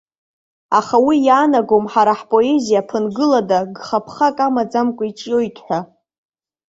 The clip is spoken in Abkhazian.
Аха уи иаанагом ҳара ҳпоезиа ԥынгылада, гхаԥхак амаӡамкәа иҿиоит ҳәа.